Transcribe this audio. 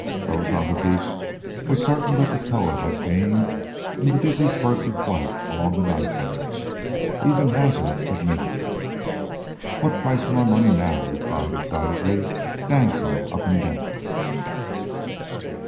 Those on the beach were certain that the poet had gained in the dizzy spurts of flight along the knife edge. Even Hazard admitted it. "What price for my money now?" he cried excitedly, dancing up and down.